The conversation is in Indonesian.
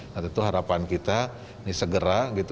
nah tentu harapan kita ini segera gitu